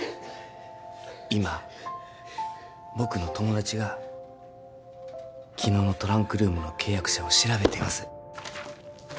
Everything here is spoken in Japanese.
今僕の友達が昨日のトランクルームの契約者を調べています